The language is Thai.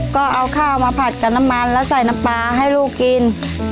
ก็เอาข้าวมาผัดกับน้ำมันแล้วใส่น้ำปลาให้ลูกกิน